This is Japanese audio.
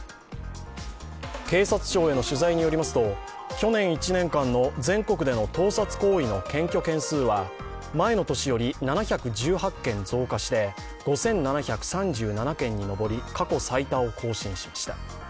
警察庁への取材によりますと去年１年間の全国での盗撮行為の検挙件数は前の年より７１８件増加して、５７３７件に上り過去最多を更新しました。